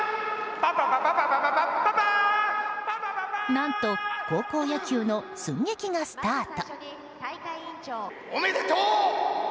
何と高校野球の寸劇がスタート。